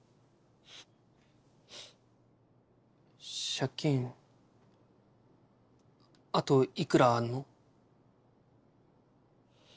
借金あといくらあんの？